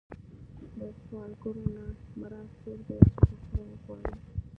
له سوالګر نه مراد څوک دی چې په خوله وغواړي.